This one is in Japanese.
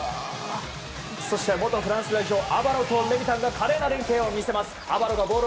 そして、元フランス代表アバロとレミたんが連係を見せます。